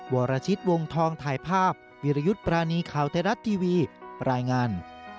วรชิตวงทองถ่ายภาพวิรยุทธ์ปรานีข่าวไทยรัฐทีวีรายงาน